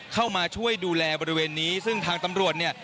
เข้ามาช่วยดูแลบริเวณนี้ซึ่งทางตำรวจเนี่ย